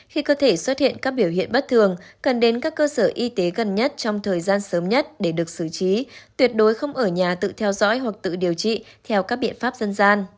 khi cơ thể xuất hiện các biểu hiện bất thường cần đến các cơ sở y tế gần nhất trong thời gian sớm nhất để được xử trí tuyệt đối không ở nhà tự theo dõi hoặc tự điều trị theo các biện pháp dân gian